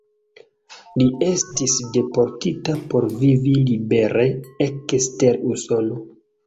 Li estis deportita por vivi libere ekster Usono.